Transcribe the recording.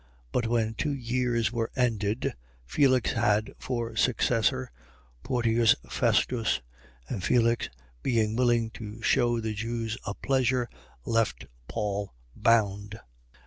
24:27. But when two years were ended, Felix had for successor Portius Festus. And Felix being willing to shew the Jews a pleasure, left Paul bound.